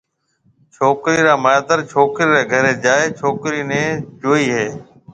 ڇوڪري را مائيتر ڇوڪرِي ريَ گھري جائيَ ڇوڪرِي نيَ جوئي ھيَََ